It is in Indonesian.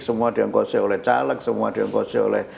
semua diongkosi oleh caleg semua diongkosi oleh